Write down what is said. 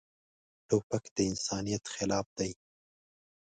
توپک د انسانیت خلاف دی.